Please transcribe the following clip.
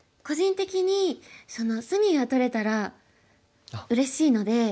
個人的に隅が取れたらうれしいので。